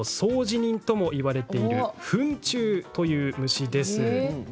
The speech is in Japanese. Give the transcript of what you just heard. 人ともいわれている糞虫という虫です。